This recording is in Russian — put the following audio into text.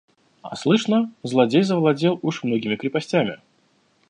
– А слышно, злодей завладел уж многими крепостями.